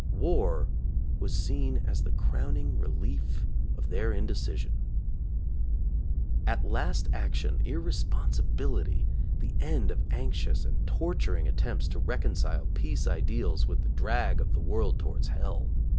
War was seen as the crowning relief of their indecision. At last action, irresponsibility, the end of anxious and torturing attempts to reconcile peace ideals with the drag of the world towards Hell.